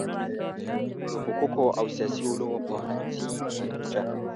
د حقوقو او سیاسي علومو پوهنځي تاریخچه